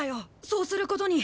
そうすることに。